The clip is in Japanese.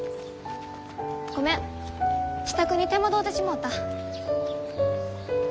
ごめん支度に手間取うてしもうた。